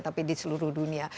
tapi di seluruh dunia